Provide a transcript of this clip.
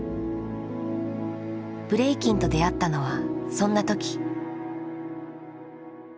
ブレイキンと出会ったのはそんな時。